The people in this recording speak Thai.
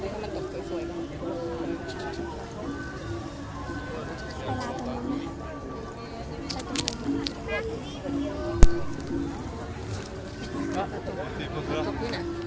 สวัสดีครับ